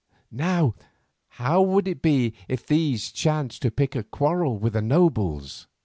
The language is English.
Now, how would it be if these chanced to pick a quarrel with the nobles?"